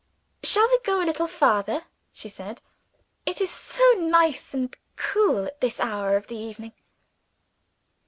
"Shall we go a little farther?" she said. "It is so nice and cool at this hour of the evening."